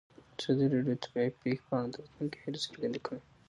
ازادي راډیو د طبیعي پېښې په اړه د راتلونکي هیلې څرګندې کړې.